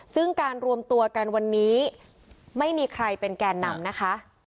ซึ่งการรวมตัวกันวันนี้ไม่มีใครเป็นแกนนำนะคะ